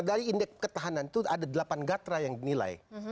dari indeks ketahanan itu ada delapan gatra yang dinilai